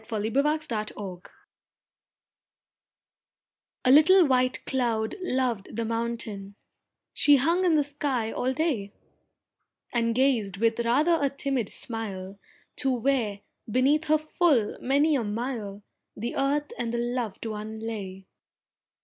THE CLOUD AND THE MOUNTAIN A little white Cloud loved the Mountain, She hung in the sky all day, And gazed with rather a timid smile To where, beneath her full many a mile, The earth and the loved one lay.